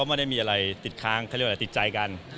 ไม่ต้องมีอะไรติดค้างติดใจกัน